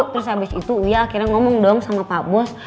terus habis itu ya akhirnya ngomong dong sama pak bos